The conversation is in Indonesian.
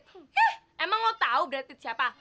ih emang lo tau brad pitt siapa